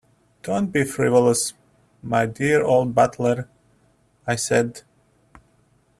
"Don't be frivolous, my dear old butler," I said.